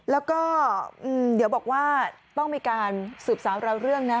แล้วก็เดี๋ยวบอกว่าต้องมีการสืบสาวราวเรื่องนะ